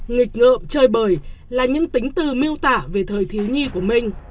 nghịch ngợm chơi bời là những tính từ miêu tả về thời thiếu nhi của minh